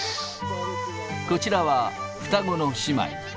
こちらは、双子の姉妹。